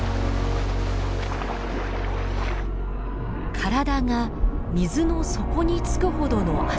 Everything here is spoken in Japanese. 体が水の底につくほどの浅瀬です。